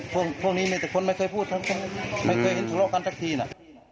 พวกนี้มีแต่คนไม่เคยพูดไม่เคยเห็นทะเลาะกันสักทีนะ